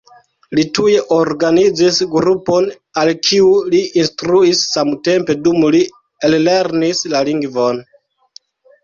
Li tuj organizis grupon al kiu li instruis samtempe dum li ellernis la lingvon.